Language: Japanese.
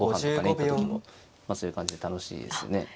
行った時もそういう感じで楽しいですね。